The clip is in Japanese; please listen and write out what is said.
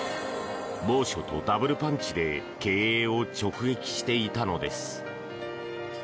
猛暑とダブルパンチで経営を直撃していたのです。